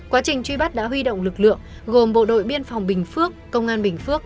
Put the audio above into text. quá trình truy bắt đã huy động lực lượng gồm bộ đội biên phòng bình phước công an bình phước